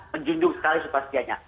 menjunjung sekali supastianya